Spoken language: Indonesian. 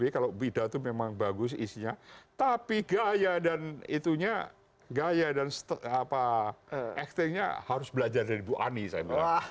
jadi kalau bidato memang bagus isinya tapi gaya dan itunya gaya dan actingnya harus belajar dari ibu ani saya bilang